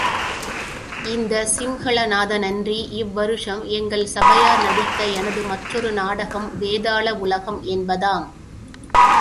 இந்தச் சிம்ஹளநாதன் அன்றி, இவ்வருஷம் எங்கள் சபையார் நடித்த எனது மற்றொரு நாடகம் வேதாள உலகம் என்பதாம்.